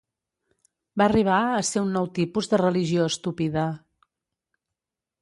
Va arribar a ser un nou tipus de religió estúpida ...